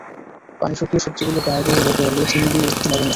পানি শুকিয়ে সবজিগুলো গায়ে গায়ে লেগে এলে চিনি দিয়ে একটু নেড়ে নিন।